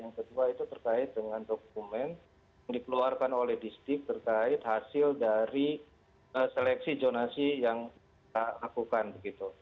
yang kedua itu terkait dengan dokumen yang dikeluarkan oleh distrik terkait hasil dari seleksi jonasi yang kita lakukan begitu